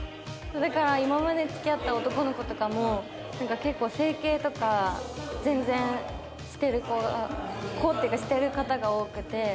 だから今まで付き合った男の子とかもなんか結構整形とか全然してる子が子っていうかしてる方が多くて。